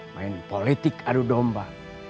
main politik adu domba